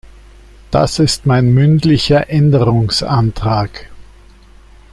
Das ist mein mündlicher Änderungsantrag.